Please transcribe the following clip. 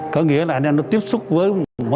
có nghĩa là anh em nó tiếp xúc với anh em